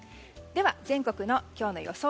全国の今日の予想